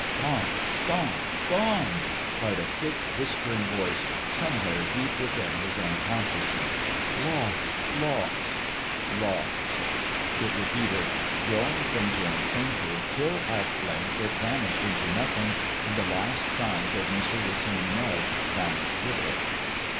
"Gone! gone! gone!" cried a thick, whispering voice, somewhere deep within his own consciousness. "Lost! lost! lost!" it repeated, growing fainter and fainter till at length it vanished into nothing and the last signs of Mr. Racine Mudge vanished with it.